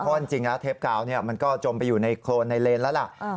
เพราะจริงแล้วเทปกาวมันก็จมไปอยู่ในโครนในเลนแล้วล่ะ